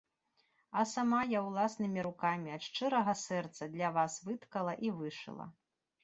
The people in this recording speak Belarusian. А сама я ўласнымі рукамі ад шчырага сэрца для вас выткала і вышыла.